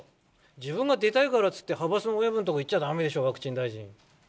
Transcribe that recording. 自分が出たいからといって、派閥の親分のとこにいっちゃだめでしょ、ワクチン大臣。